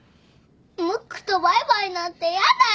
ムックとバイバイなんてやだよ。